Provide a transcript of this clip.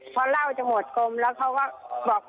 พอเหล้าจะหมดกลมแล้วเขาก็บอก